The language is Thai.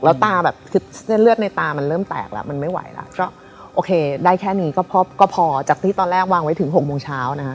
แล้วตาแบบคือเส้นเลือดในตามันเริ่มแตกแล้วมันไม่ไหวแล้วก็โอเคได้แค่นี้ก็พอจากที่ตอนแรกวางไว้ถึง๖โมงเช้านะคะ